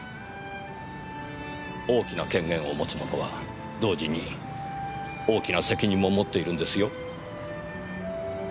大きな権限を持つ者は同時に大きな責任も持っているんですよ。